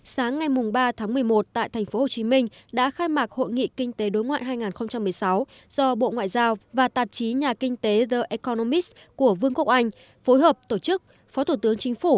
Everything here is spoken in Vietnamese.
sáng ngày ba tháng một mươi một tại thành phố hồ chí minh đã khai mạc hội nghị kinh tế đối ngoại hai nghìn một mươi sáu do bộ ngoại giao và tạp chí nhà kinh tế the economist của vương quốc anh phối hợp tổ chức phó thủ tướng chính phủ